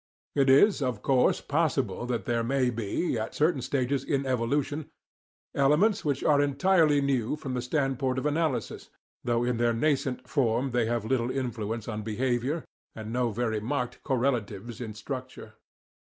It is, of course, POSSIBLE that there may be, at certain stages in evolution, elements which are entirely new from the standpoint of analysis, though in their nascent form they have little influence on behaviour and no very marked correlatives in structure.